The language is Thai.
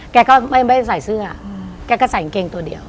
แกก็ไม่ใส่เสื้อแกก็ใส่กางเกงตัวเดียว